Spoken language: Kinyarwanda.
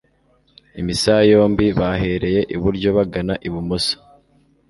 imisaya yombi ,bahereye iburyo bagana ibumoso.